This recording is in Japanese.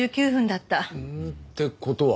って事は？